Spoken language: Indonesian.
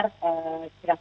kita sudah cukup siap